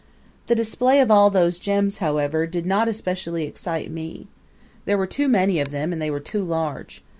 The display or all those gems, however, did not especially excite me. There were too many of them and they were too large.